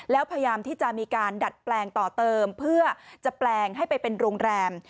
แล้วพยายามที่จะมีการดัดแปลงต่อเติมเพื่อจะแปลงให้ไปเป็นโรงแรม